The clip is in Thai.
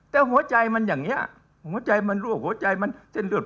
แต่หัวใจมันอย่างนี้หัวใจมันรั่วหัวใจมันเส้นเลือด